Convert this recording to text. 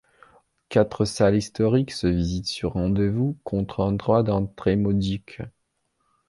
Quatre salles historiques se visitent sur rendez-vous, contre un droit d'entrée modique.